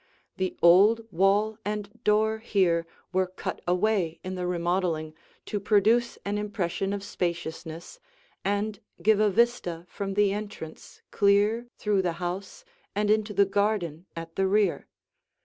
The old wall and door here were cut away in the remodeling to produce an impression of spaciousness and give a vista from the entrance clear through the house and into the garden at the rear.